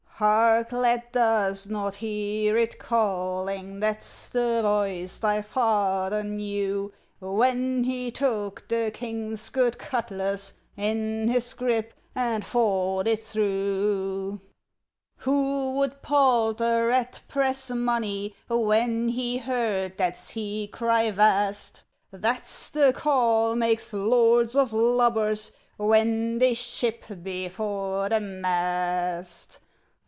Hark, lad, dost not hear it calling? That's the voice thy father knew, When he took the King's good cutlass In his grip, and fought it through. Who would palter at press money When he heard that sea cry vast? That's the call makes lords of lubbers, When they ship before the mast.